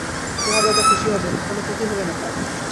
তোমার দাদা খুশি হবেন, কোনো ক্ষতি হবে না তাঁর।